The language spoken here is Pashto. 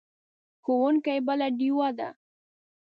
ښوونکی بله ډیوه ده.